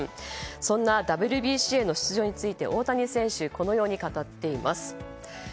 そんなＷＢＣへの出場について大谷選手はこのように語っています。